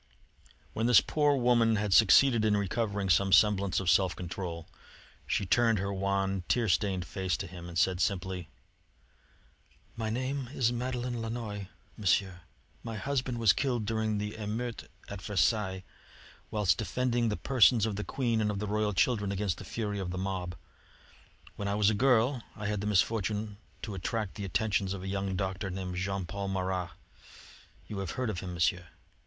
When this poor woman had succeeded in recovering some semblance of self control, she turned her wan, tear stained face to him and said simply: "My name is Madeleine Lannoy, Monsieur. My husband was killed during the emeutes at Versailles, whilst defending the persons of the Queen and of the royal children against the fury of the mob. When I was a girl I had the misfortune to attract the attentions of a young doctor named Jean Paul Marat. You have heard of him, Monsieur?"